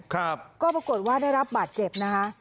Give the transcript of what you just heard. ครับก็ปรากฏว่าได้รับบาดเจ็บนะคะ